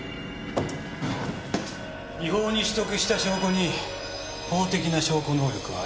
違法に取得した証拠に法的な証拠能力はありませんよ。